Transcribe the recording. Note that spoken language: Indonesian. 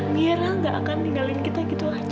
mira gak akan ninggalin kita gitu aja